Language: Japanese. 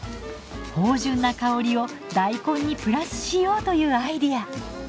豊潤な香りを大根にプラスしようというアイデア。